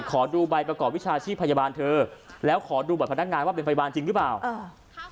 ขอดูใบประกอบวิชาชีพพยาบาลเธอแล้วขอดูบัตรพนักงานว่าเป็นพยาบาลจริงหรือเปล่าอ่า